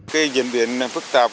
cái diễn biến phức tạp